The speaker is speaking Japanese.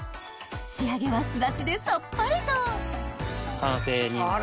仕上げはすだちでさっぱりと完成になります。